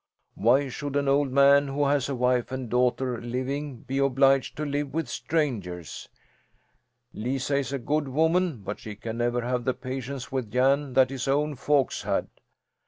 "Why should an old man who has a wife and daughter living be obliged to live with strangers? Lisa is a good woman, but she can never have the patience with Jan that his own folks had."